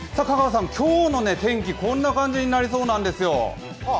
今日の天気、こんな感じになりそうなんですよ。